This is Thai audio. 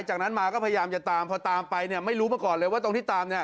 จากนั้นมาก็พยายามจะตามพอตามไปเนี่ยไม่รู้มาก่อนเลยว่าตรงที่ตามเนี่ย